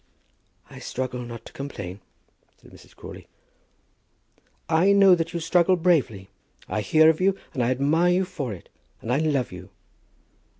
"I struggle not to complain," said Mrs. Crawley. "I know that you struggle bravely. I hear of you, and I admire you for it, and I love you."